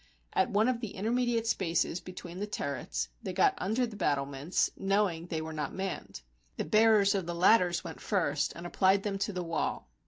At one of the intermediate spaces between the turrets they got under the battlements, knowing they were not manned. The bearers of the ladders went first and applied them to the wall.